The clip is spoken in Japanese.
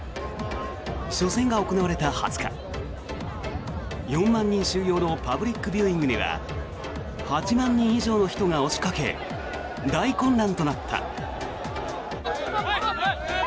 初戦が行われた２０日４万人収容のパブリックビューイングには８万人以上の人が押しかけ大混乱となった。